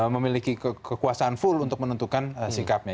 memiliki kekuasaan full untuk menentukan sikapnya